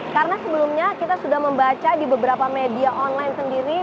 karena sebelumnya kita sudah membaca di beberapa media online sendiri